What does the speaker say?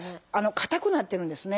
硬くなってるんですね。